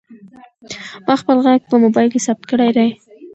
ما خپل غږ په موبایل کې ثبت کړی دی.